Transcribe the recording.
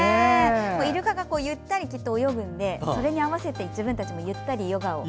イルカがゆったり泳ぐのでそれに合わせて自分たちもゆったりヨガを。